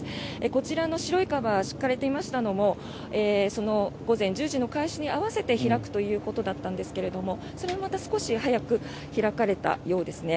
こちらの白いカバー敷かれていましたのも午前１０時の開始に合わせて開くということだったんですがそれもまた、少し早く開かれたようですね。